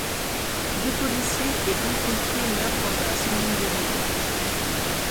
Deux policiers et un pompier meurent pendant la semaine d'émeutes.